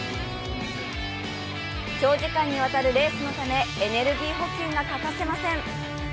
長時間にわたるレースのためエネルギー補給が欠かせません。